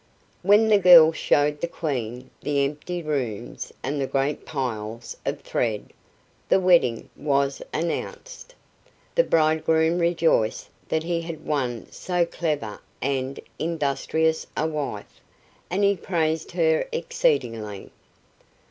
When the girl showed the Queen the empty rooms and the great piles of thread, the wedding was announced. The bridegroom rejoiced that he had won so clever and industrious a wife, and he praised her exceedingly.